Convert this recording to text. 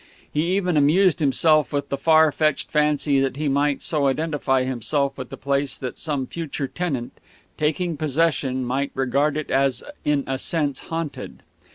He even amused himself with the far fetched fancy that he might so identify himself with the place that some future tenant, taking possession, might regard it as in a sense haunted.